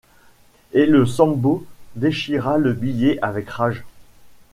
Et le Sambo déchira le billet avec rage.